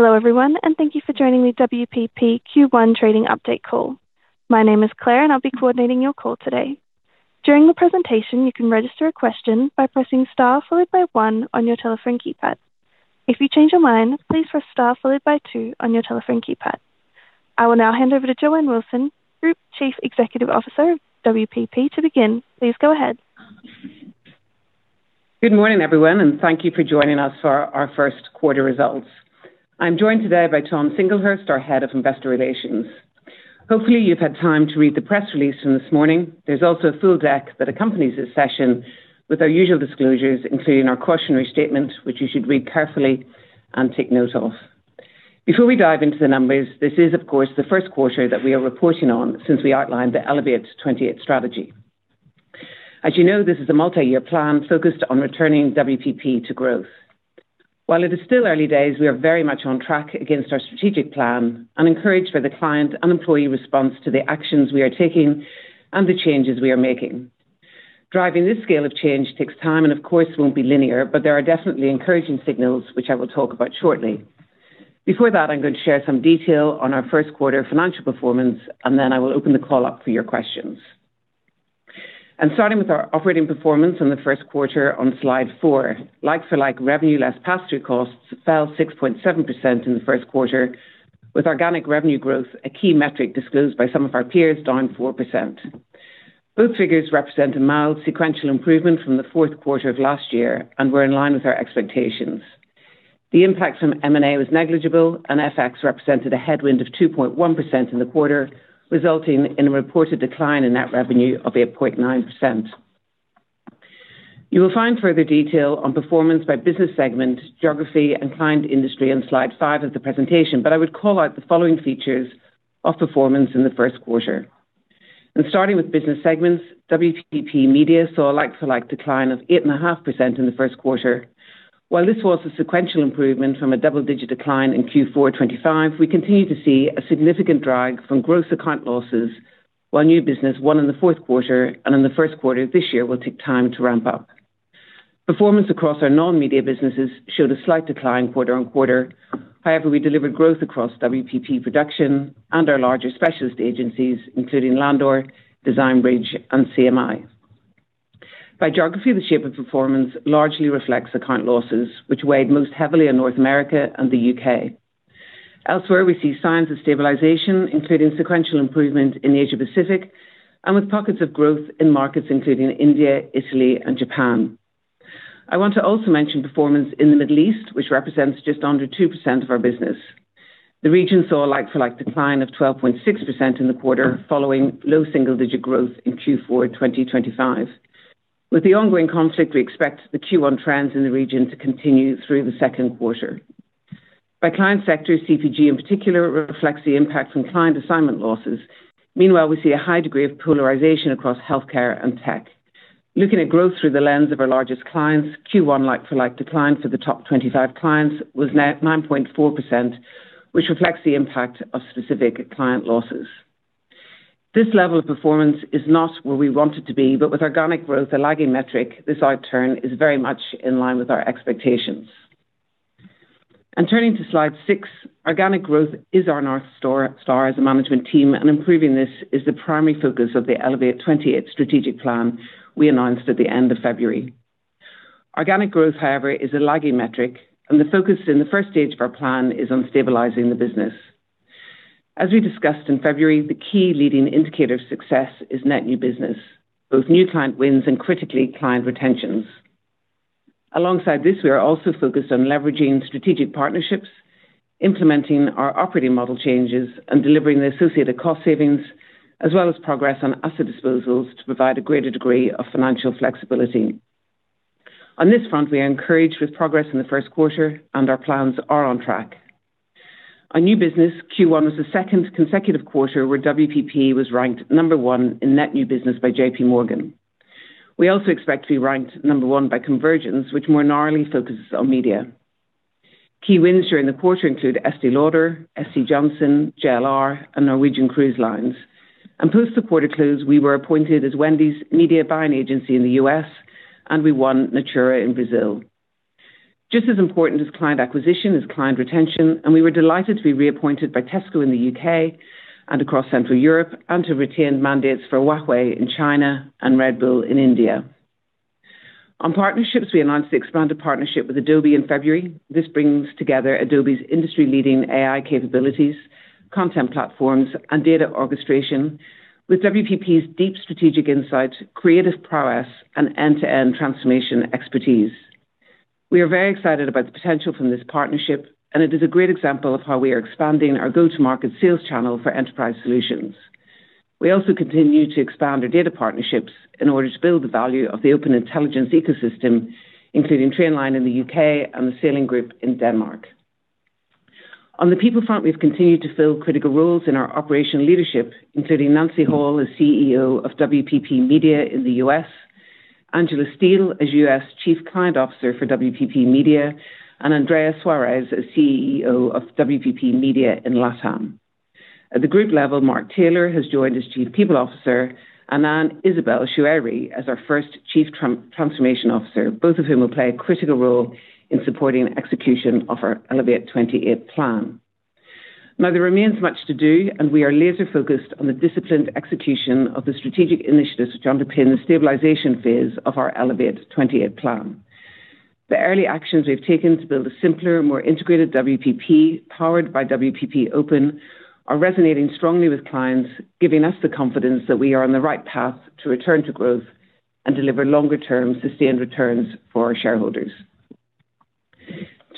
Hello everyone, and thank you for joining me on the WPP Q1 trading update call. My name is Claire, and I'll be coordinating your call today. During the presentation, you can register a question by pressing star followed by one on your telephone keypad. If you change your mind, please press star followed by two on your telephone keypad. I will now hand over to Joanne Wilson, Group Chief Executive Officer, WPP to begin. Please go ahead. Good morning, everyone, and thank you for joining us for our first quarter results. I'm joined today by Tom Singlehurst, our head of investor relations. Hopefully, you've had time to read the press release from this morning. There's also a full deck that accompanies this session with our usual disclosures, including our cautionary statement, which you should read carefully and take note of. Before we dive into the numbers, this is, of course, the first quarter that we are reporting on since we outlined the Elevate28 strategy. As you know, this is a multi-year plan focused on returning WPP to growth. While it is still early days, we are very much on track against our strategic plan and encouraged by the client and employee response to the actions we are taking and the changes we are making. Driving this scale of change takes time and of course, won't be linear, but there are definitely encouraging signals, which I will talk about shortly. Before that, I'm going to share some detail on our first quarter financial performance, and then I will open the call up for your questions. Starting with our operating performance in the first quarter on slide four, like-for-like revenue less pass-through costs fell 6.7% in the first quarter, with organic revenue growth, a key metric disclosed by some of our peers, down 4%. Both figures represent a mild sequential improvement from the fourth quarter of last year and were in line with our expectations. The impact from M&A was negligible, and FX represented a headwind of 2.1% in the quarter, resulting in a reported decline in net revenue of 8.9%. You will find further detail on performance by business segment, geography, and client industry on slide five of the presentation. I would call out the following features of performance in the first quarter. Starting with business segments, WPP Media saw a like-for-like decline of 8.5% in the first quarter. While this was a sequential improvement from a double-digit decline in Q4 2025, we continue to see a significant drag from gross account losses, while new business won in the fourth quarter and in the first quarter this year will take time to ramp up. Performance across our non-media businesses showed a slight decline quarter-on-quarter. However, we delivered growth across WPP Production and our larger specialist agencies, including Landor, Design Bridge, and CMI. By geography, the shape of performance largely reflects account losses, which weighed most heavily on North America and the U.K. Elsewhere, we see signs of stabilization, including sequential improvement in the Asia-Pacific and with pockets of growth in markets including India, Italy, and Japan. I want to also mention performance in the Middle East, which represents just under 2% of our business. The region saw a like-for-like decline of 12.6% in the quarter following low single-digit growth in Q4 2025. With the ongoing conflict, we expect the Q1 trends in the region to continue through the second quarter. By client sector, CPG in particular, reflects the impact from client assignment losses. Meanwhile, we see a high degree of polarization across healthcare and tech. Looking at growth through the lens of our largest clients, Q1 like-for-like decline for the top 25 clients was net 9.4%, which reflects the impact of specific client losses. This level of performance is not where we want it to be, but with organic growth a lagging metric, this outturn is very much in line with our expectations. Turning to slide six, organic growth is our North Star as a management team, and improving this is the primary focus of the Elevate28 strategic plan we announced at the end of February. Organic growth, however, is a lagging metric, and the focus in the first stage of our plan is on stabilizing the business. As we discussed in February, the key leading indicator of success is net new business, both new client wins and critically client retentions. Alongside this, we are also focused on leveraging strategic partnerships, implementing our operating model changes, and delivering the associated cost savings, as well as progress on asset disposals to provide a greater degree of financial flexibility. On this front, we are encouraged with progress in the first quarter and our plans are on track. On new business, Q1 was the second consecutive quarter where WPP was ranked number one in net new business by JPMorgan. We also expect to be ranked number one by COMvergence, which more narrowly focuses on media. Key wins during the quarter include Estée Lauder, S.C. Johnson, JLR, and Norwegian Cruise Line. Post the quarter close, we were appointed as Wendy's media buying agency in the U.S., and we won Natura in Brazil. Just as important as client acquisition is client retention, and we were delighted to be reappointed by Tesco in the U.K., and across Central Europe and to retain mandates for Huawei in China and Red Bull in India. On partnerships, we announced the expanded partnership with Adobe in February. This brings together Adobe's industry-leading AI capabilities, content platforms, and data orchestration with WPP's deep strategic insight, creative prowess, and end-to-end transformation expertise. We are very excited about the potential from this partnership, and it is a great example of how we are expanding our go-to-market sales channel for enterprise solutions. We also continue to expand our data partnerships in order to build the value of the open intelligence ecosystem, including Trainline in the U.K., and the Salling Group in Denmark. On the people front, we've continued to fill critical roles in our operational leadership, including Nancy Hall as CEO of WPP Media in the U.S., Angela Steele as U.S. Chief Client Officer for WPP Media, and Andrea Suárez as CEO of WPP Media in LATAM. At the group level, Mark Taylor has joined as Chief People Officer and Anne-Isabelle Choueiri as our first Chief Transformation Officer, both of whom will play a critical role in supporting execution of our Elevate28 plan. Now, there remains much to do, and we are laser-focused on the disciplined execution of the strategic initiatives which underpin the stabilization phase of our Elevate28 plan. The early actions we've taken to build a simpler, more integrated WPP, powered by WPP Open, are resonating strongly with clients, giving us the confidence that we are on the right path to return to growth and deliver longer-term sustained returns for our shareholders.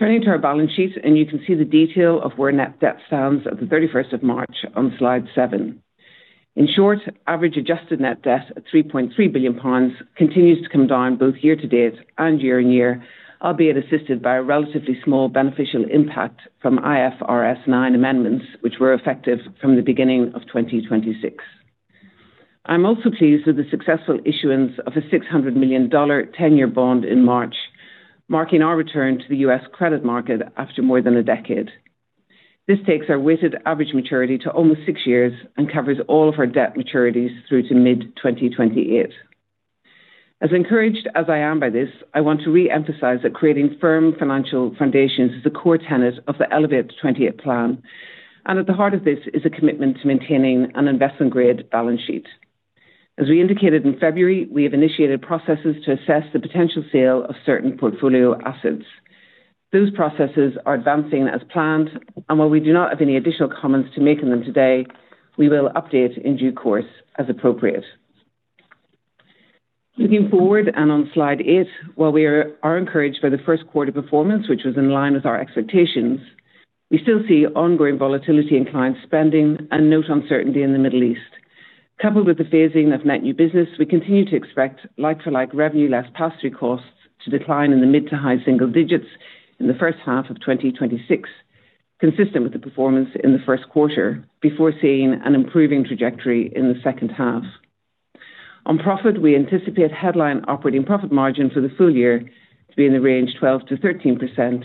Turning to our balance sheet, you can see the detail of where net debt stands at the 31st of March on slide seven. In short, average adjusted net debt at 3.3 billion pounds continues to come down both year-to-date and year-on-year, albeit assisted by a relatively small beneficial impact from IFRS 9 amendments, which were effective from the beginning of 2026. I'm also pleased with the successful issuance of a $600 million 10-year bond in March, marking our return to the U.S. credit market after more than a decade. This takes our weighted average maturity to almost six years and covers all of our debt maturities through to mid-2028. As encouraged as I am by this, I want to reemphasize that creating firm financial foundations is a core tenet of the Elevate28 plan, and at the heart of this is a commitment to maintaining an investment-grade balance sheet. As we indicated in February, we have initiated processes to assess the potential sale of certain portfolio assets. Those processes are advancing as planned, and while we do not have any additional comments to make on them today, we will update in due course as appropriate. Looking forward, on slide eight, while we are encouraged by the first quarter performance, which was in line with our expectations, we still see ongoing volatility in client spending and note uncertainty in the Middle East. Coupled with the phasing of net new business, we continue to expect like-for-like revenue less pass-through costs to decline in the mid- to high single digits in the first half of 2026, consistent with the performance in the first quarter, before seeing an improving trajectory in the second half. On profit, we anticipate headline operating profit margin for the full year to be in the range 12%-13%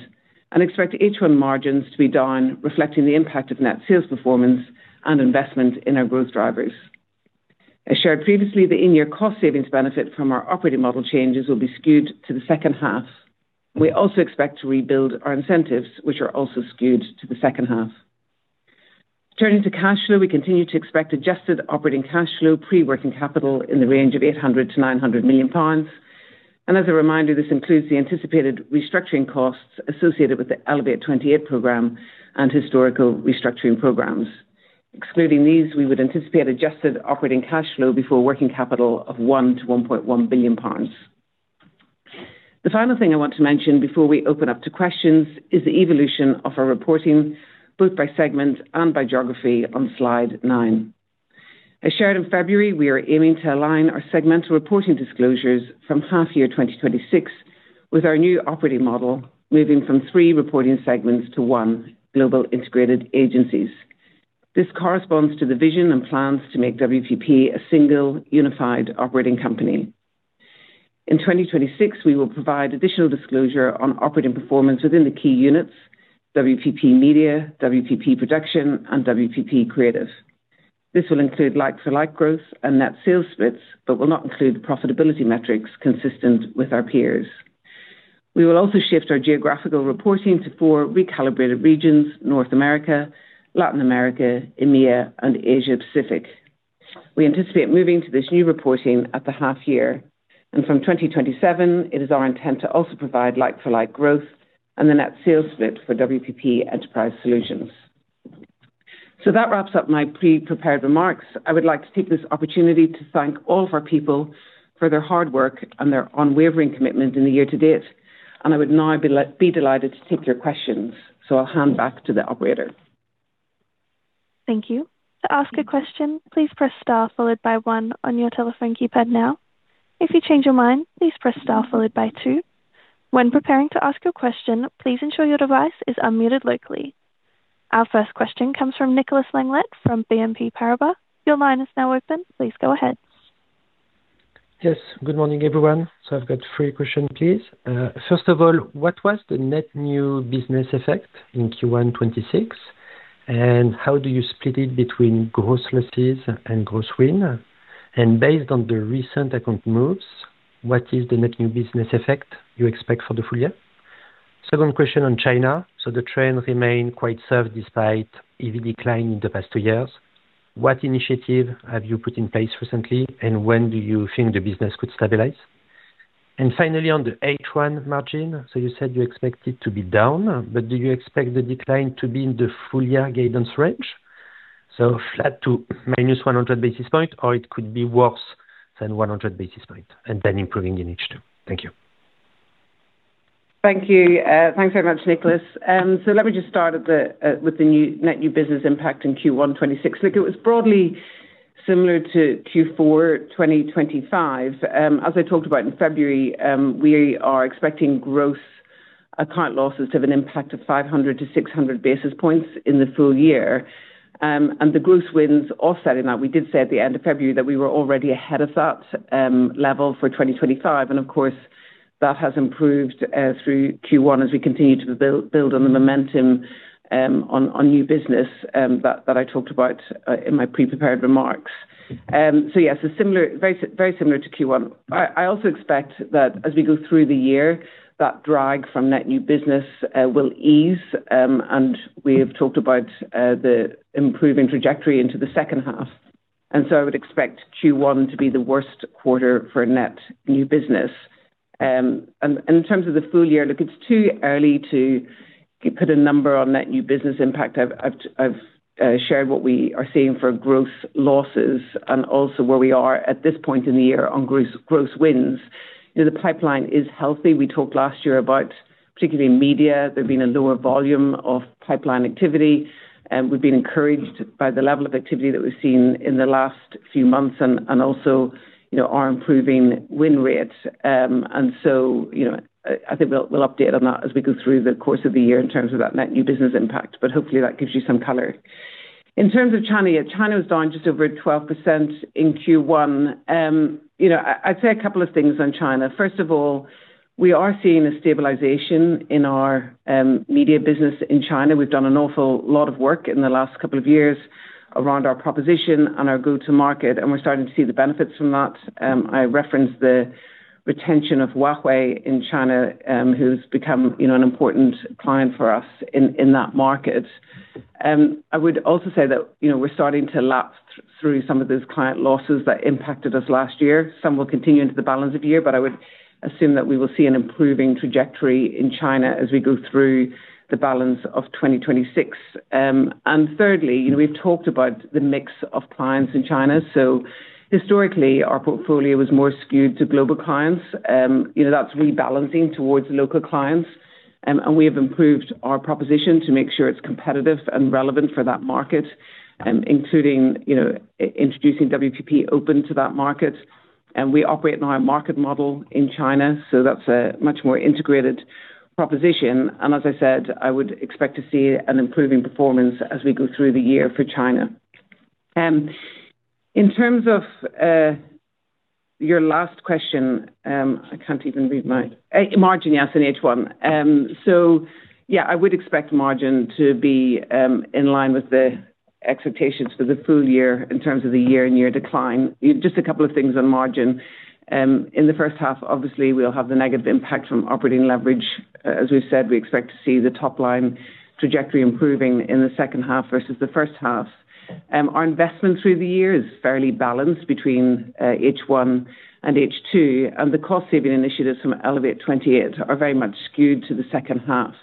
and expect H1 margins to be down, reflecting the impact of net sales performance and investment in our growth drivers. As shared previously, the in-year cost savings benefit from our operating model changes will be skewed to the second half. We also expect to rebuild our incentives, which are also skewed to the second half. Turning to cash flow, we continue to expect adjusted operating cash flow pre-working capital in the range of 800 million-900 million pounds. As a reminder, this includes the anticipated restructuring costs associated with the Elevate28 program and historical restructuring programs. Excluding these, we would anticipate adjusted operating cash flow before working capital of 1 billion-1.1 billion pounds. The final thing I want to mention before we open up to questions is the evolution of our reporting, both by segment and by geography, on slide nine. As shared in February, we are aiming to align our segmental reporting disclosures from half year 2026 with our new operating model, moving from three reporting segments to one global integrated agencies. This corresponds to the vision and plans to make WPP a single unified operating company. In 2026, we will provide additional disclosure on operating performance within the key units, WPP Media, WPP Production and WPP Creative. This will include like-for-like growth and net sales splits, but will not include the profitability metrics consistent with our peers. We will also shift our geographical reporting to four recalibrated regions, North America, Latin America, EMEA and Asia Pacific. We anticipate moving to this new reporting at the half year, and from 2027 it is our intent to also provide like-for-like growth and the net sales split for WPP Enterprise Solutions. That wraps up my pre-prepared remarks. I would like to take this opportunity to thank all of our people for their hard work and their unwavering commitment in the year-to-date, and I would now be delighted to take your questions. I'll hand back to the operator. Thank you. To ask a question, please press star followed by one on your telephone keypad now. If you change your mind, please press star followed by two. When preparing to ask your question, please ensure your device is unmuted locally. Our first question comes from Nicolas Langlet from BNP Paribas. Your line is now open. Please go ahead. Yes, good morning, everyone. I've got three questions, please. First of all, what was the net new business effect in Q1 2026? And how do you split it between gross losses and gross wins? Based on the recent account moves, what is the net new business effect you expect for the full year? Second question on China. The trend remains quite soft despite easy decline in the past two years. What initiatives have you put in place recently, and when do you think the business could stabilize? Finally, on the H1 margin, you said you expect it to be down, but do you expect the decline to be in the full year guidance range? Flat to -100 basis points, or it could be worse than 100 basis points and then improving in H2. Thank you. Thank you. Thanks very much, Nicolas, so let me just start with the net new business impact in Q1 2026. Nick, it was broadly similar to Q4 2025. As I talked about in February, we are expecting gross account losses to have an impact of 500-600 basis points in the full year, and the gross wins offsetting that. We did say at the end of February that we were already ahead of that level for 2025. Of course that has improved through Q1 as we continue to build on the momentum on new business that I talked about in my pre-prepared remarks, so yes, a similar, very similar to Q1. I also expect that as we go through the year, that drag from net new business will ease, and we have talked about the improving trajectory into the second half. I would expect Q1 to be the worst quarter for net new business. In terms of the full year, look, it's too early to put a number on net new business impact. I've shared what we are seeing for growth losses and also where we are at this point in the year on gross wins. You know, the pipeline is healthy. We talked last year about particularly media. There's been a lower volume of pipeline activity, and we've been encouraged by the level of activity that we've seen in the last few months and also, you know, our improving win rate. You know, I think we'll update on that as we go through the course of the year in terms of that net new business impact, but hopefully that gives you some color. In terms of China, yeah, China was down just over 12% in Q1. You know, I'd say a couple of things on China. First of all, we are seeing a stabilization in our media business in China. We've done an awful lot of work in the last couple of years around our proposition and our go-to market, and we're starting to see the benefits from that. I referenced the retention of Huawei in China, who's become, you know, an important client for us in that market. I would also say that, you know, we're starting to lap through some of those client losses that impacted us last year. Some will continue into the balance of the year, but I would assume that we will see an improving trajectory in China as we go through the balance of 2026. Thirdly, you know, we've talked about the mix of clients in China. Historically, our portfolio was more skewed to global clients. You know, that's rebalancing towards local clients. We have improved our proposition to make sure it's competitive and relevant for that market, including, you know, introducing WPP Open to that market. We operate now a market model in China, so that's a much more integrated proposition. As I said, I would expect to see an improving performance as we go through the year for China. In terms of your last question, margin, yes, in H1. Yeah, I would expect margin to be in line with the expectations for the full year in terms of the year-on-year decline. Just a couple of things on margin. In the first half, obviously we'll have the negative impact from operating leverage. As we've said, we expect to see the top line trajectory improving in the second half versus the first half. Our investment through the year is fairly balanced between H1 and H2, and the cost-saving initiatives from Elevate28 are very much skewed to the second half.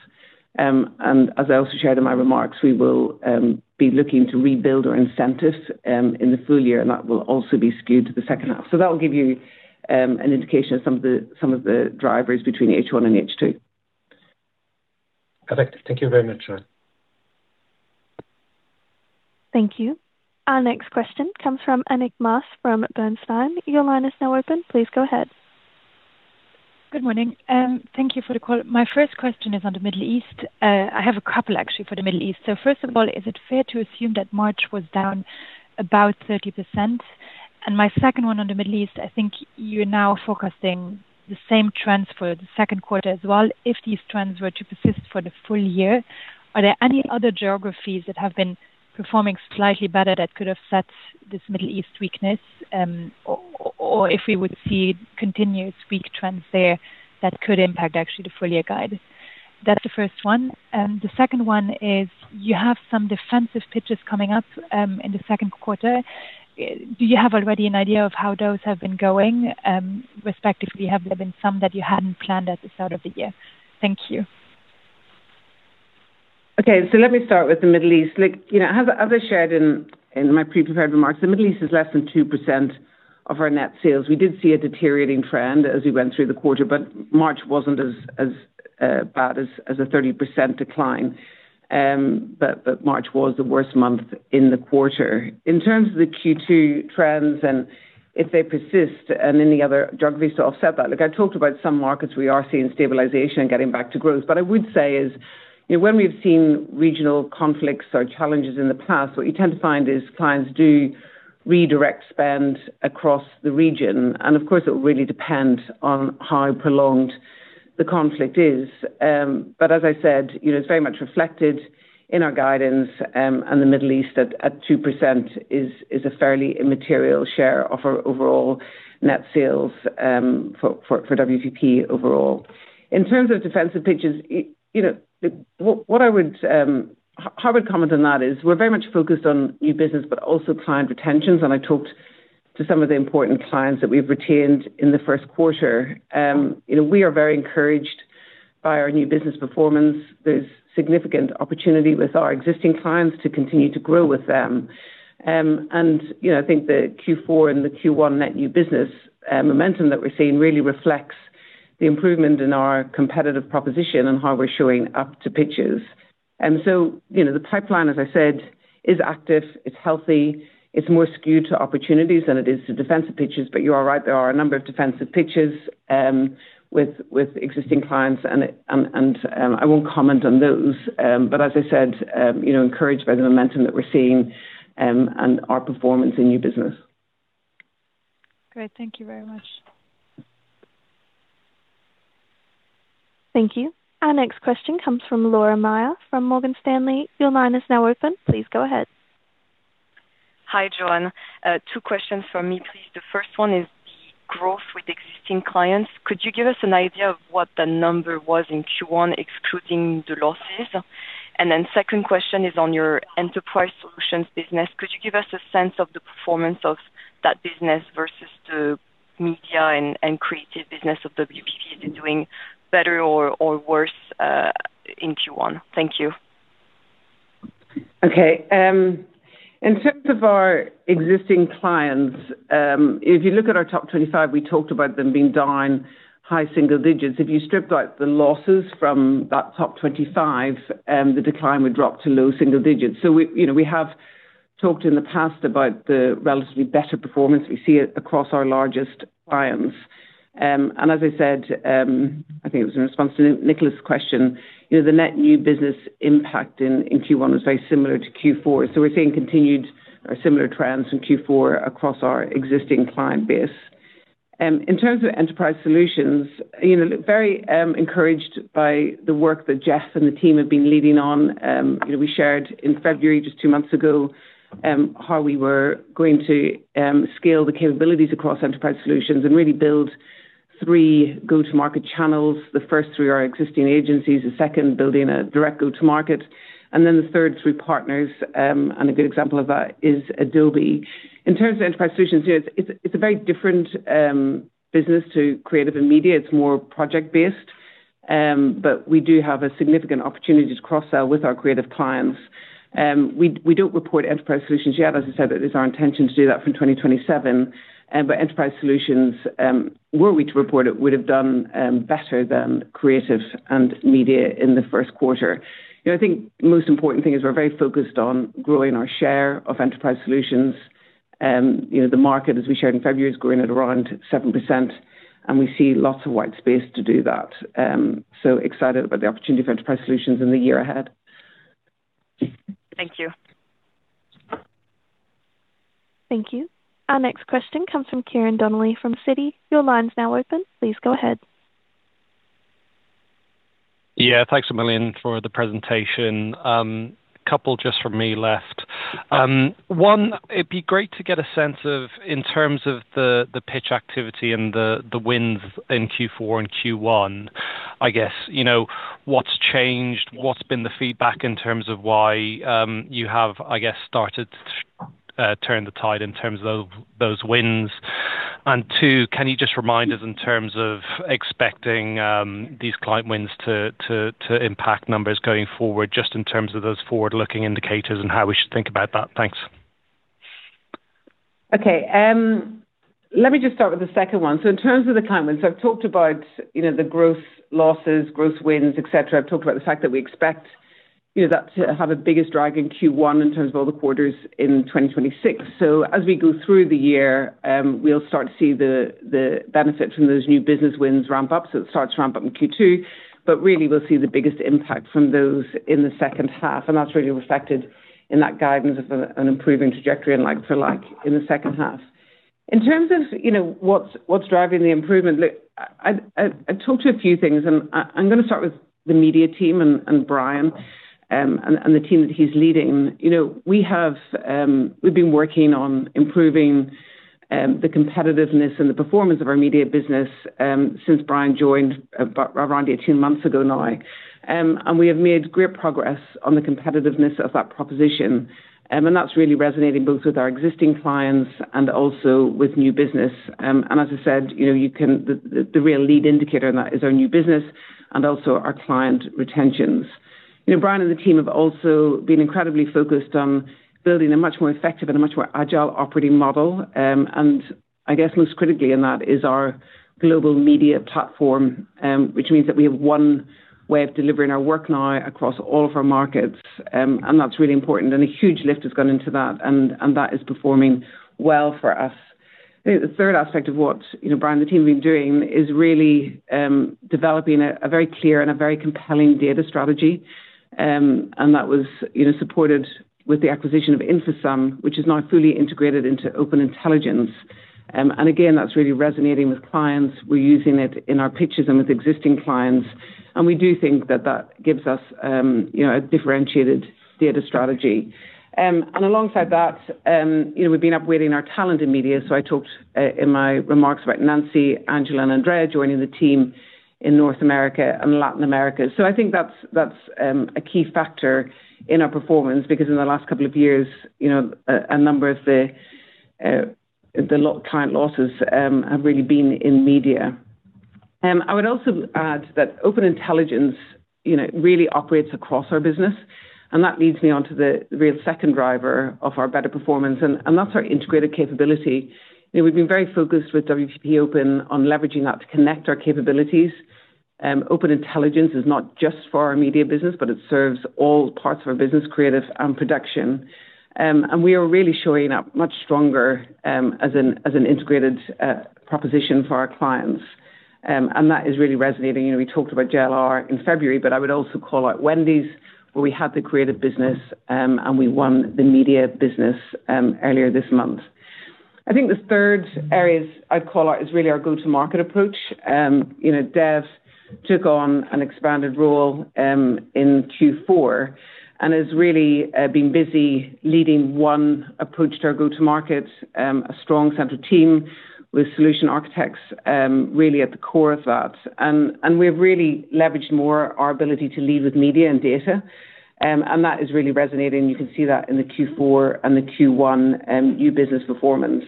As I also shared in my remarks, we will be looking to rebuild our incentives in the full year, and that will also be skewed to the second half. That will give you an indication of some of the drivers between H1 and H2. Perfect. Thank you very much, Joanne. Thank you. Our next question comes from Annick Maas from Bernstein. Your line is now open. Please go ahead. Good morning. Thank you for the call. My first question is on the Middle East. I have a couple actually for the Middle East. First of all, is it fair to assume that March was down about 30%? My second one on the Middle East, I think you're now forecasting the same trends for the second quarter as well. If these trends were to persist for the full year, are there any other geographies that have been performing slightly better that could offset this Middle East weakness? Or if we would see continued weak trends there that could impact actually the full year guide? That's the first one. The second one is you have some defensive pitches coming up in the second quarter. Do you have already an idea of how those have been going? Respectively, have there been some that you hadn't planned at the start of the year? Thank you. Okay, let me start with the Middle East. Look, you know, as I shared in my pre-prepared remarks, the Middle East is less than 2% of our net sales. We did see a deteriorating trend as we went through the quarter, but March wasn't as bad as a 30% decline. March was the worst month in the quarter. In terms of the Q2 trends and if they persist and any other geographies to offset that, look, I talked about some markets we are seeing stabilization and getting back to growth. I would say, you know, when we've seen regional conflicts or challenges in the past, what you tend to find is clients do redirect spend across the region. Of course, it will really depend on how prolonged the conflict is. As I said, you know, it's very much reflected in our guidance, and the Middle East at 2% is a fairly immaterial share of our overall net sales for WPP overall. In terms of defensive pitches, you know, what I would comment on that is we're very much focused on new business but also client retentions, and I talked to some of the important clients that we've retained in the first quarter. You know, we are very encouraged by our new business performance. There's significant opportunity with our existing clients to continue to grow with them. You know, I think the Q4 and the Q1 net new business momentum that we're seeing really reflects the improvement in our competitive proposition and how we're showing up to pitches. You know, the pipeline, as I said, is active, it's healthy, it's more skewed to opportunities than it is to defensive pitches. You are right, there are a number of defensive pitches with existing clients and I won't comment on those. As I said, you know, I'm encouraged by the momentum that we're seeing and our performance in new business. Great. Thank you very much. Thank you. Our next question comes from Laura Metayer from Morgan Stanley. Your line is now open. Please go ahead. Hi, Joanne. Two questions from me, please. The first one is the growth with existing clients. Could you give us an idea of what the number was in Q1 excluding the losses? Second question is on your enterprise solutions business. Could you give us a sense of the performance of that business versus the media and creative business of WPP? Is it doing better or worse in Q1? Thank you. Okay. In terms of our existing clients, if you look at our top 25, we talked about them being down high single digits. If you strip out the losses from that top 25, the decline would drop to low single digits. We, you know, we have talked in the past about the relatively better performance we see across our largest clients. As I said, I think it was in response to Nicolas' question, you know, the net new business impact in Q1 was very similar to Q4. We're seeing continued or similar trends in Q4 across our existing client base. In terms of enterprise solutions, you know, very encouraged by the work that Jess and the team have been leading on. You know, we shared in February, just two months ago, how we were going to scale the capabilities across Enterprise Solutions and really build three go-to-market channels. The first through our existing agencies, the second building a direct go-to-market, and then the third through partners, and a good example of that is Adobe. In terms of Enterprise Solutions, you know, it's a very different business to Creative and Media. It's more project-based, but we do have a significant opportunity to cross-sell with our Creative clients. We don't report Enterprise Solutions yet. As I said, it is our intention to do that from 2027, but Enterprise Solutions, were we to report it, would have done better than Creative and Media in the first quarter. You know, I think the most important thing is we're very focused on growing our share of enterprise solutions. You know, the market, as we shared in February, is growing at around 7%, and we see lots of white space to do that. Excited about the opportunity for enterprise solutions in the year ahead. Thank you. Thank you. Our next question comes from Ciarán Donnelly from Citi. Your line is now open. Please go ahead. Yeah. Thanks a million for the presentation. A couple just from me left. One, it'd be great to get a sense of, in terms of the pitch activity and the wins in Q4 and Q1. I guess, you know, what's changed? What's been the feedback in terms of why you have, I guess, started to turn the tide in terms of those wins? Two, can you just remind us in terms of expecting these client wins to impact numbers going forward, just in terms of those forward-looking indicators and how we should think about that? Thanks. Okay. Let me just start with the second one. In terms of the client wins, I've talked about, you know, the growth losses, growth wins, et cetera. I've talked about the fact that we expect, you know, that to have the biggest drag in Q1 in terms of all the quarters in 2026. As we go through the year, we'll start to see the benefit from those new business wins ramp up. It starts to ramp up in Q2, but really we'll see the biggest impact from those in the second half, and that's really reflected in that guidance of an improving trajectory and like-for-like in the second half. In terms of, you know, what's driving the improvement. Look, I touched on a few things, and I'm gonna start with the media team and Brian and the team that he's leading. You know, we have, we've been working on improving the competitiveness and the performance of our media business since Brian joined around 18 months ago now, and we have made great progress on the competitiveness of that proposition, and that's really resonating both with our existing clients and also with new business, and as I said, you know, you can. The real lead indicator in that is our new business and also our client retentions. You know, Brian and the team have also been incredibly focused on building a much more effective and a much more agile operating model. I guess most critically in that is our global media platform, which means that we have one way of delivering our work now across all of our markets, and that's really important. A huge lift has gone into that, and that is performing well for us. The third aspect of what, you know, Brian and the team have been doing is really developing a very clear and a very compelling data strategy. That was, you know, supported with the acquisition of InfoSum, which is now fully integrated into Open Intelligence. Again, that's really resonating with clients. We're using it in our pitches and with existing clients, and we do think that that gives us, you know, a differentiated data strategy. Alongside that, you know, we've been upweighting our talent in media. I talked in my remarks about Nancy, Angela, and Andrea joining the team in North America and Latin America. I think that's a key factor in our performance because in the last couple of years, you know, a number of the client losses have really been in media. I would also add that Open Intelligence really operates across our business, and that leads me onto the real second driver of our better performance, and that's our integrated capability. We've been very focused with WPP Open on leveraging that to connect our capabilities. Open Intelligence is not just for our media business, but it serves all parts of our business, creative and production. We are really showing up much stronger as an integrated proposition for our clients. That is really resonating. You know, we talked about JLR in February, but I would also call out Wendy's, where we had the creative business and we won the media business earlier this month. I think the third areas I'd call out is really our go-to-market approach. You know, Dev took on an expanded role in Q4 and has really been busy leading one approach to our go-to-market, a strong central team with solution architects really at the core of that. We've really leveraged more our ability to lead with media and data. That is really resonating. You can see that in the Q4 and the Q1 new business performance.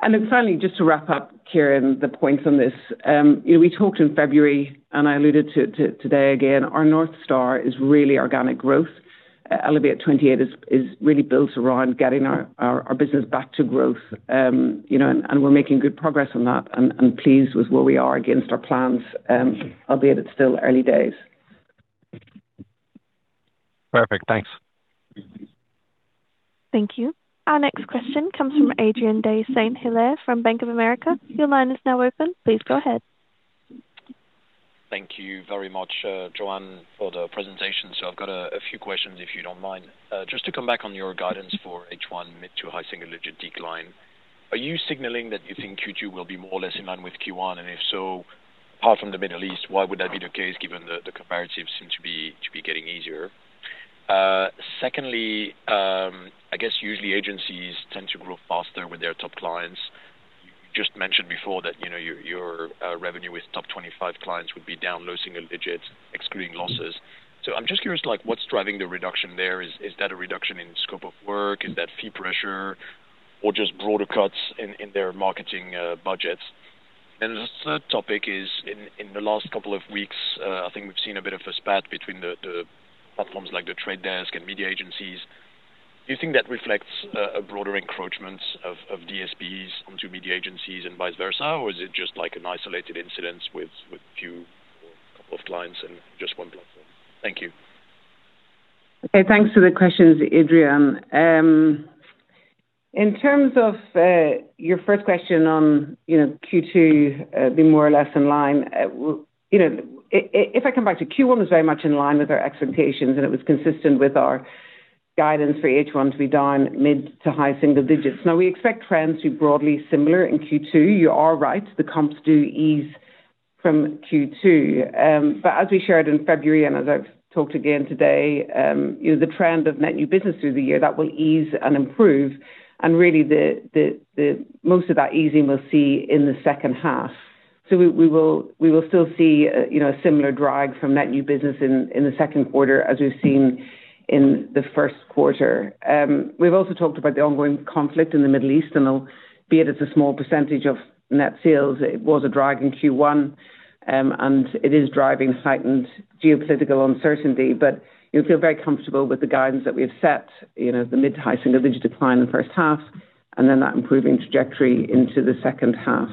Finally, just to wrap up, Ciarán, the points on this. You know, we talked in February, and I alluded to today again, our North Star is really organic growth. Elevate28 is really built around getting our business back to growth. You know, we're making good progress on that and pleased with where we are against our plans. Albeit it's still early days. Perfect. Thanks. Thank you. Our next question comes from Adrien de Saint Hilaire from Bank of America. Your line is now open. Please go ahead. Thank you very much, Joanne, for the presentation. I've got a few questions, if you don't mind. Just to come back on your guidance for H1 mid- to high-single-digit decline. Are you signaling that you think Q2 will be more or less in line with Q1? If so, apart from the Middle East, why would that be the case given the comparatives seem to be getting easier? Secondly, I guess usually agencies tend to grow faster with their top clients. You just mentioned before that, you know, your revenue with top 25 clients would be down low single digits, excluding losses. I'm just curious, like, what's driving the reduction there? Is that a reduction in scope of work? Is that fee pressure or just broader cuts in their marketing budgets? The third topic is in the last couple of weeks. I think we've seen a bit of a spat between the platforms like The Trade Desk and media agencies. Do you think that reflects a broader encroachment of DSPs onto media agencies and vice versa? Or is it just like an isolated incident with few couple of clients and just one platform? Thank you. Okay, thanks for the questions, Adrien. In terms of your first question on, you know, Q2 being more or less in line. You know, if I come back to Q1 was very much in line with our expectations, and it was consistent with our guidance for H1 to be down mid to high single digits. Now, we expect trends to be broadly similar in Q2. You are right, the comps do ease from Q2, but as we shared in February, and as I've talked again today, you know, the trend of net new business through the year, that will ease and improve. Really the most of that easing we'll see in the second half. We will still see, you know, a similar drag from net new business in the second quarter as we've seen in the first quarter. We've also talked about the ongoing conflict in the Middle East, and albeit it's a small percentage of net sales, it was a drag in Q1, and it is driving heightened geopolitical uncertainty. You'll feel very comfortable with the guidance that we've set, you know, the mid high single digit decline in the first half and then that improving trajectory into the second half.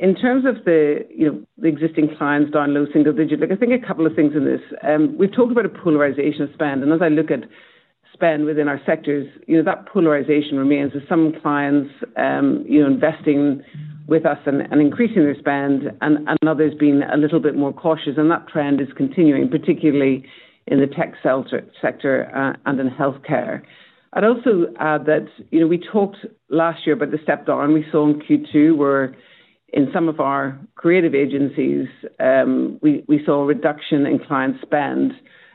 In terms of you know the existing clients down low single digit. Look, I think a couple of things in this. We've talked about a polarization of spend, and as I look at spend within our sectors, you know, that polarization remains with some clients, you know, investing with us and increasing their spend and others being a little bit more cautious. That trend is continuing, particularly in the tech sector, and in healthcare. I'd also add that, you know, we talked last year about the step down we saw in Q2, where in some of our creative agencies, we saw a reduction in client spend.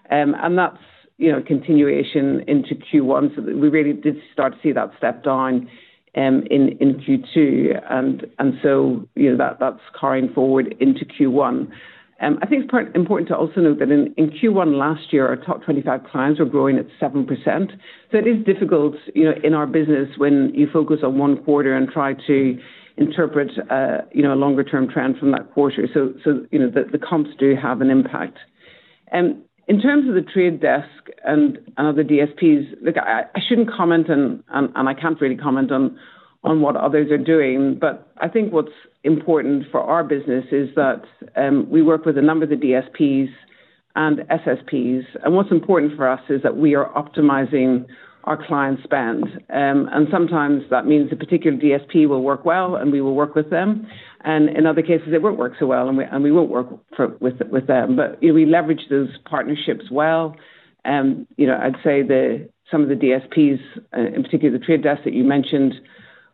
That's, you know, continuation into Q1. We really did start to see that step down in Q2. You know, that's carrying forward into Q1. I think it's important to also note that in Q1 last year, our top 25 clients were growing at 7%. It is difficult, you know, in our business when you focus on one quarter and try to interpret, you know, a longer term trend from that quarter. You know, the comps do have an impact. In terms of The Trade Desk and other DSPs, look, I shouldn't comment and I can't really comment on what others are doing. I think what's important for our business is that we work with a number of the DSPs and SSPs, and what's important for us is that we are optimizing our client spend. Sometimes that means a particular DSP will work well, and we will work with them, and in other cases, it won't work so well, and we won't work with them. We leverage those partnerships well. You know, I'd say some of the DSPs, in particular, The Trade Desk that you mentioned,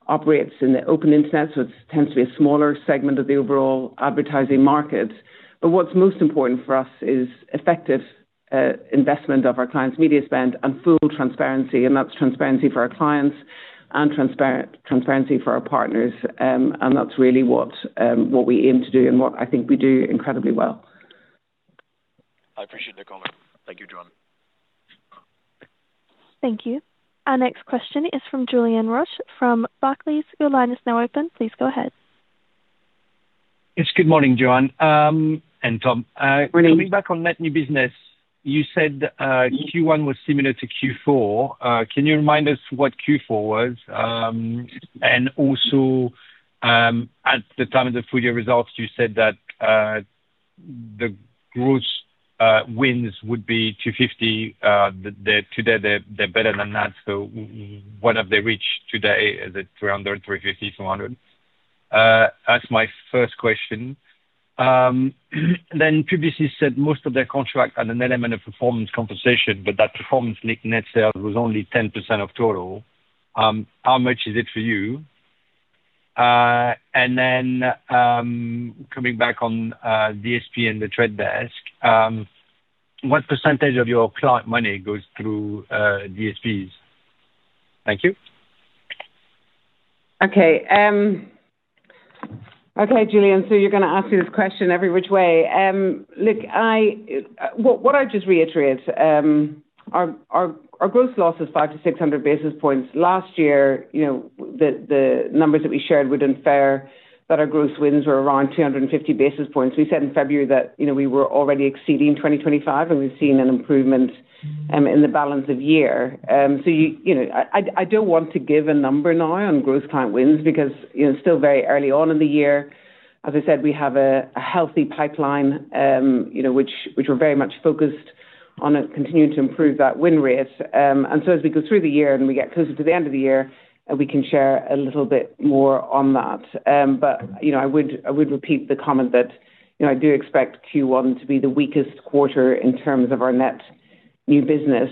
operates in the open internet, so it tends to be a smaller segment of the overall advertising market, but what's most important for us is effective investment of our clients' media spend and full transparency, and that's transparency for our clients and transparency for our partners. That's really what we aim to do and what I think we do incredibly well. I appreciate the comment. Thank you, Joanne. Thank you. Our next question is from Julien Roch from Barclays. Your line is now open. Please go ahead. Yes, good morning, Joanne, and Tom. Coming back on net new business, you said Q1 was similar to Q4. Can you remind us what Q4 was? And also, at the time of the full year results, you said that the Group's wins would be 250. Today they're better than that, so what have they reached today? Is it 300? 350? 200 basis points? That's my first question. Then previously said most of their contract had an element of performance compensation, but that performance linked net sales was only 10% of total. How much is it for you? And then, coming back on DSP and The Trade Desk, what percentage of your client money goes through DSPs? Thank you. Okay, Julien, so you're gonna ask me this question every which way. Look, what I just reiterate, our gross loss is 500-600 basis points. Last year, you know, the numbers that we shared were unfair, that our gross wins were around 250 basis points. We said in February that, you know, we were already exceeding 2025, and we've seen an improvement in the balance of year. You know, I don't want to give a number now on growth client wins because, you know, still very early on in the year. As I said, we have a healthy pipeline, you know, which we're very much focused on it continuing to improve that win rate. As we go through the year and we get closer to the end of the year, we can share a little bit more on that. You know, I would repeat the comment that, you know, I do expect Q1 to be the weakest quarter in terms of our net new business.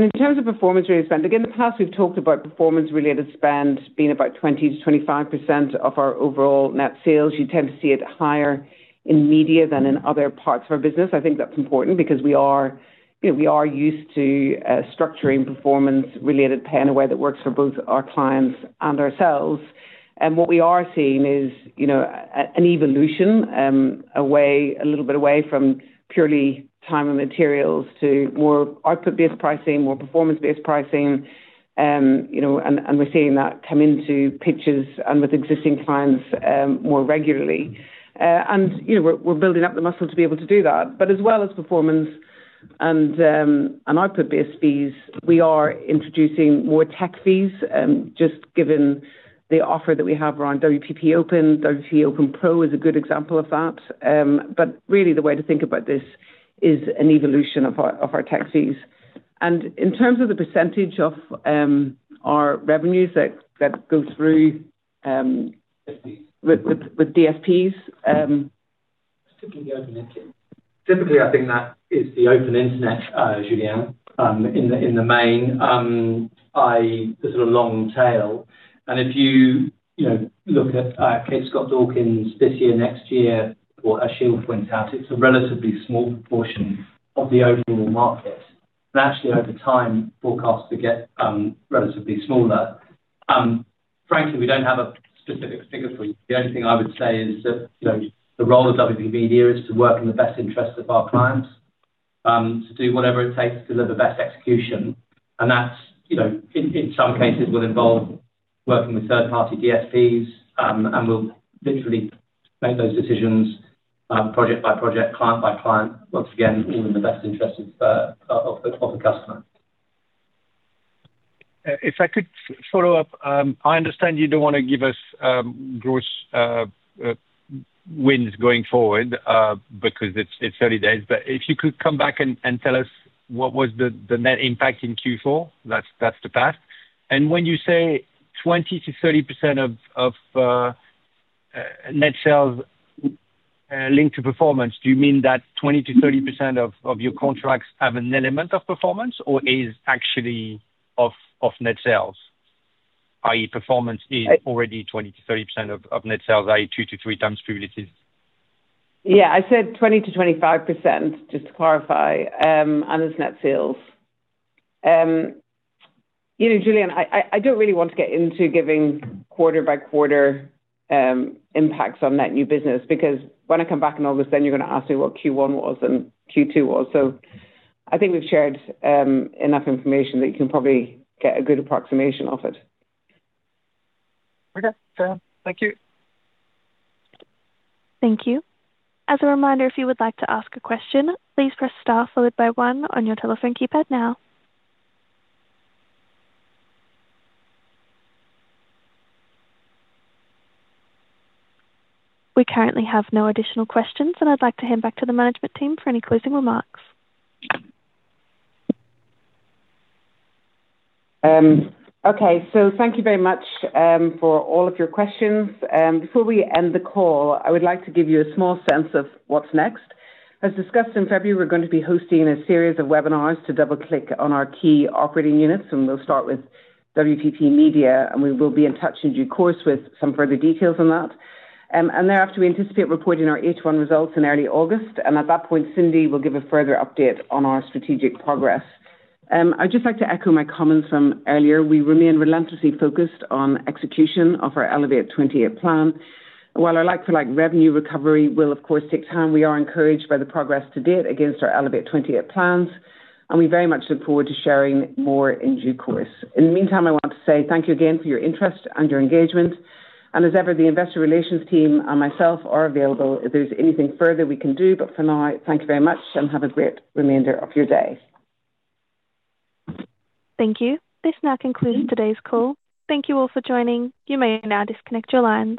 In terms of performance related spend, again, in the past, we've talked about performance-related spend being about 20%-25% of our overall net sales. You tend to see it higher in media than in other parts of our business. I think that's important because we are, you know, we are used to structuring performance related pay in a way that works for both our clients and ourselves. What we are seeing is, you know, an evolution, a little bit away from purely time and materials to more output-based pricing, more performance-based pricing. You know, we're seeing that come into pitches and with existing clients more regularly. You know, we're building up the muscle to be able to do that. As well as performance and output-based fees, we are introducing more tech fees just given the offer that we have around WPP Open. WPP Open Pro is a good example of that. Really the way to think about this is an evolution of our tech fees. In terms of the percentage of our revenues that go through with DSPs... Typically, I think that is the open internet, Julien, in the main. i.e., the sort of long tail. If you know, look at Kate Scott-Dawkins this year, next year, or as Shields points out, it's a relatively small proportion of the overall market. Actually, over time, forecasts get relatively smaller. Frankly, we don't have a specific figure for you. The only thing I would say is that, you know, the role of WPP Media is to work in the best interest of our clients, to do whatever it takes to deliver best execution. That's, you know, in some cases, will involve working with third-party DSPs, and we'll literally make those decisions, project by project, client by client, once again, all in the best interest of the customer. If I could follow up. I understand you don't wanna give us gross wins going forward because it's early days. If you could come back and tell us what was the net impact in Q4, that's the past. When you say 20%-30% of net sales linked to performance, do you mean that 20%-30% of your contracts have an element of performance or is actually off net sales, i.e., performance is already 20%-30% of net sales, i.e., 2x-3x royalties? Yeah. I said 20%-25%, just to clarify, and it's net sales. You know, Julien, I don't really want to get into giving quarter-by-quarter impacts on net new business because when I come back in August, then you're gonna ask me what Q1 was and Q2 was. I think we've shared enough information that you can probably get a good approximation of it. Okay. Fair. Thank you. Thank you. As a reminder, if you would like to ask a question, please press star followed by one on your telephone keypad now. We currently have no additional questions, and I'd like to hand back to the management team for any closing remarks. Okay. Thank you very much for all of your questions. Before we end the call, I would like to give you a small sense of what's next. As discussed in February, we're gonna be hosting a series of webinars to double-click on our key operating units, and we'll start with WPP Media, and we will be in touch in due course with some further details on that. Thereafter, we anticipate reporting our H1 results in early August, and at that point, Cindy will give a further update on our strategic progress. I'd just like to echo my comments from earlier. We remain relentlessly focused on execution of our Elevate28 plan. While our like-for-like revenue recovery will of course take time, we are encouraged by the progress to date against our Elevate28 plans, and we very much look forward to sharing more in due course. In the meantime, I want to say thank you again for your interest and your engagement. As ever, the investor relations team and myself are available if there's anything further we can do. For now, thank you very much and have a great remainder of your day. Thank you. This now concludes today's call. Thank you all for joining. You may now disconnect your lines.